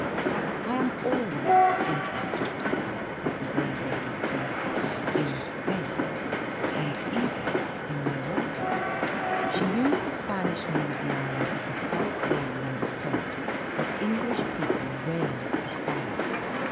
"I am always interested," said the grey lady slowly, "in Spain and even in Mallorca." She used the Spanish name of the island with the soft roll in the throat that English people rarely acquire.